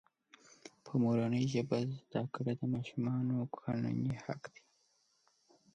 په مورنۍ ژبه زده کړه دماشومانو قانوني حق دی.